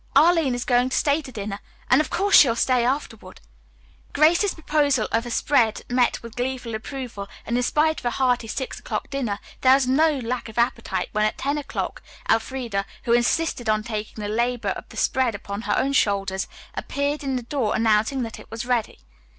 Arline is going to stay to dinner, and, of course, she'll stay afterward." Grace's proposal of a spread met with gleeful approval, and in spite of a hearty six o'clock dinner, there was no lack of appetite when at ten o'clock Elfreda, who insisted on taking the labor of the spread upon her own shoulders, appeared in the door announcing that it was ready.